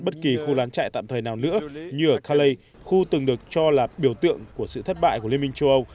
bất kỳ khu lán trại tạm thời nào nữa như ở khalley khu từng được cho là biểu tượng của sự thất bại của liên minh châu âu